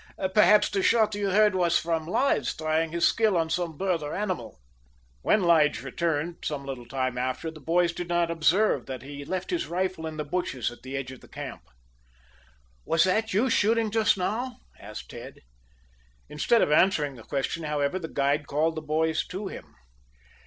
Perhaps the shot you heard was from Lige, trying his skill on some bird or animal." When Lige returned, some little time after, the boys did not observe that he left his rifle in the bushes at the edge of the camp. "Was that you shooting just now?" asked Tad. Instead of answering the question, however, the guide called the boys to him.